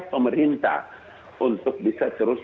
pemerintah untuk bisa terus